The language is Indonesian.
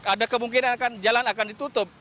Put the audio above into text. ada kemungkinan jalan akan ditutup